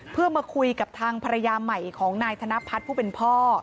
เพื่อมาคุยกับทางภรรยาใหม่ของนายธนพัฒน์ผู้เป็นพ่อ